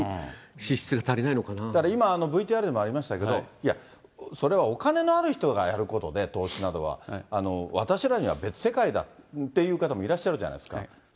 だから今、ＶＴＲにもありましたけれども、いや、それはお金のある人がやることで、投資などは、私らには別世界だっていう方もいらっしゃるじゃないですか。